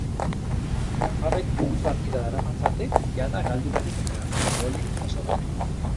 Nafarrek hiru partida daramatzate jada galdu barik eta golik jaso gabe.